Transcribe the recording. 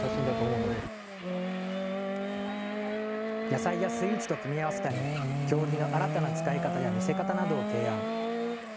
野菜やスイーツと組み合わせたり経木の新たな使い方や見せ方などを提案。